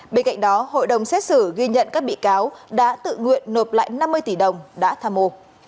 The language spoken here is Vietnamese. bên cạnh đó hội đồng xét xử ghi nhận các bị cáo đã tự nguyện nộp lại năm mươi tỷ đồng đã tham mô